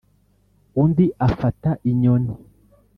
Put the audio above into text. undi afata inyoni